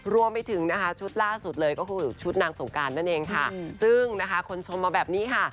รวมไปถึงนะคะชุดล่าสุดเลยก็คือชุดนางสงการนั่นเองค่ะซึ่งนะคะคนชมมาแบบนี้ค่ะ